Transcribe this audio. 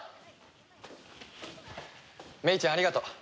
芽依ちゃんありがとう！